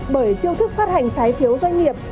bởi chiêu thức phát hành trái phiếu doanh nghiệp